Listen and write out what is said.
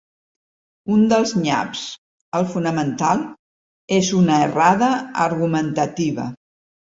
Un dels nyaps, el fonamental, és una errada argumentativa.